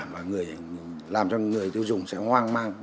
làm cho người tiêu dùng sẽ hoang mang